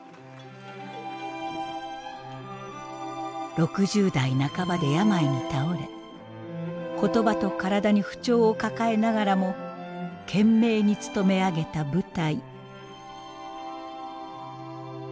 ６０代半ばで病に倒れ言葉と体に不調を抱えながらも懸命につとめ上げた舞台。